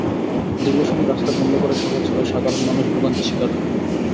দীর্ঘ সময় রাস্তা বন্ধ করে সভা চলায় সাধারণ মানুষ ভোগান্তির শিকার হয়।